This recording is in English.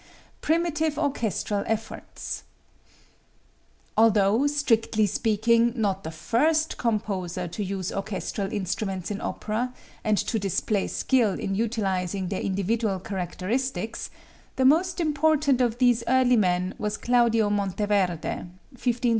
Primitive Orchestral Efforts. Although, strictly speaking, not the first composer to use orchestral instruments in opera, and to display skill in utilizing their individual characteristics, the most important of these early men was Claudio Monteverde (1568 1643).